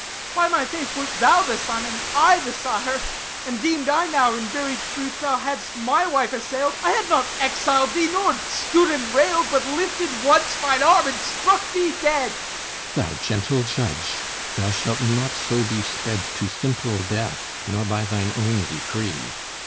By my faith, wert thou The son, and I the sire; and deemed I now In very truth thou hadst my wife assailed, I had not exiled thee, nor stood and railed, But lifted once mine arm, and struck thee dead! THESEUS Thou gentle judge! Thou shalt not so be sped To simple death, nor by thine own decree.